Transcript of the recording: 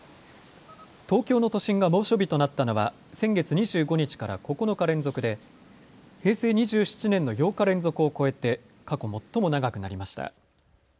東京の都心が猛暑日となったのは先月２５日から９日連続で平成２７年の８日連続を超えて過去最も長くなりました。